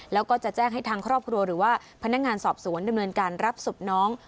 แล้วก็จะแจ้งให้ทางครอบครัวหรือว่าพนักงานสอบสวนดำเนินการรับศพน้อง